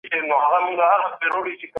په رنګ یې خوراکونه